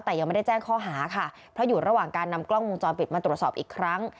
แต่ยังไม่ได้แจ้งข้อหาค่ะเพราะอยู่ระหว่างการนำกล้องวงจรปิดมาตรวจสอบอีกครั้ง